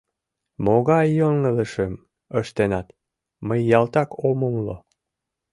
Могай йоҥылышым ыштенат? — мый ялтак ом умыло.